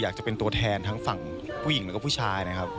อยากจะเป็นตัวแทนทั้งฝั่งผู้หญิงแล้วก็ผู้ชายนะครับ